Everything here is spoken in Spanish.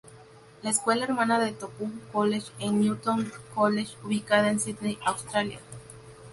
La escuela hermana de Tupou College es Newington College, ubicada en Sídney, Australia.